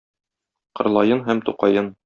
Кырлаен һәм Тукаен.